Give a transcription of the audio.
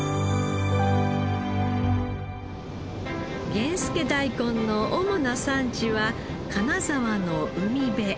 源助だいこんの主な産地は金沢の海辺。